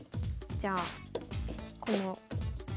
じゃあこの下側？